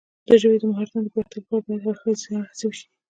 د ژبې د مهارتونو د پراختیا لپاره باید هر اړخیزه هڅې وشي.